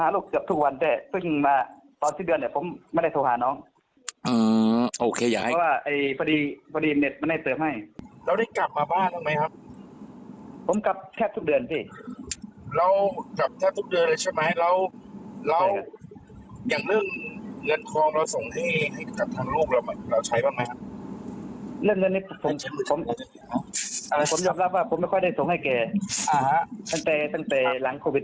เราก็ใช้บ้างไหมครับ